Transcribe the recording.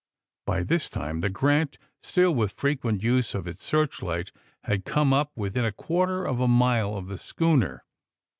By this time the *^ Grant," still with frequent use of its searchlight, had come up within a quarter of a mile of the schooner.